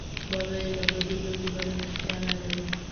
بغیر له بدې ورځې بله نتېجه نلري.